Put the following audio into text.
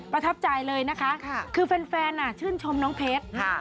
ประทับใจเลยนะคะคือแฟนชื่นชมน้องเพชร